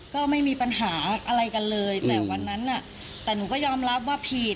ก็ไม่มีปัญหาอะไรกันเลยแต่วันนั้นน่ะแต่หนูก็ยอมรับว่าผิด